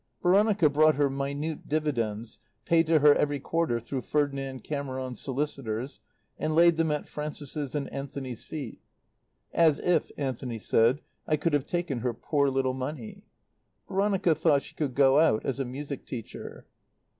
Veronica brought her minute dividends (paid to her every quarter through Ferdinand Cameron's solicitors), and laid them at Frances's and Anthony's feet. ("As if," Anthony said, "I could have taken her poor little money!") Veronica thought she could go out as a music teacher.